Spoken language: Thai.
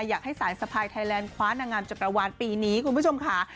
อยากใส่สัพพายไทยแลนด์ศาวครั้งนางงามจักรวาลปีนี้คุณผู้ชมค่ะ